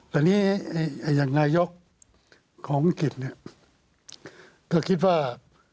แต่นี่อย่างนายกของอังกฤษเนี่ยก็คิดว่า